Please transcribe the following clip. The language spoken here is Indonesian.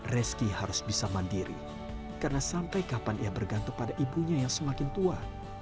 reski harus bisa mandiri karena sampai kapan ia bergantung pada ibunya yang semakin tua